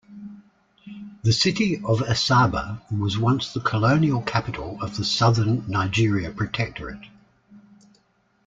The city of Asaba was once the colonial capital of the Southern Nigeria Protectorate.